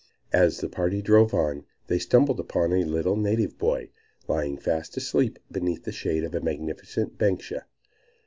As the party drove on they stumbled upon a little native boy lying fast asleep beneath the shade of a magnificent banksia.